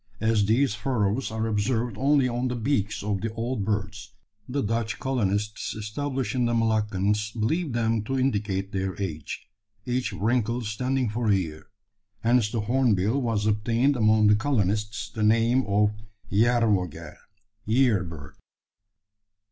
As these furrows are observed only on the beaks of the old birds, the Dutch colonists established in the Moluccas believe them to indicate their age, each wrinkle standing for a year. Hence the hornbill has obtained among the colonists the name of Yerrvogel (year bird).